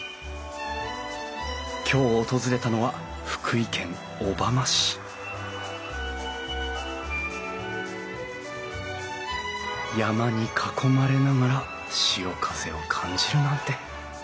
今日訪れたのは福井県小浜市山に囲まれながら潮風を感じるなんて。